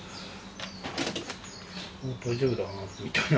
「大丈夫だな」みたいな。